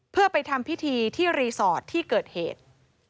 เพื่อไปทำพิธีที่รีสอร์ทที่เกิดเหตุ